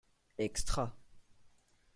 Extra.